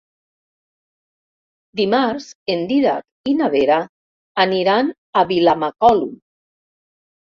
Dimarts en Dídac i na Vera aniran a Vilamacolum.